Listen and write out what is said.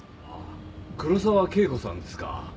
黒沢恵子さんですか？